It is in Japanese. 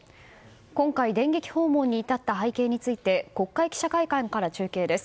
今回電撃訪問に至った経緯について国会記者会館から中継です。